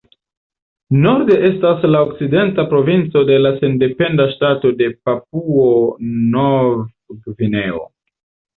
Norde estas la Okcidenta Provinco de la sendependa ŝtato de Papuo-Nov-Gvineo.